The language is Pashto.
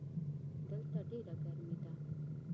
دلته ډېره ګرمي ده.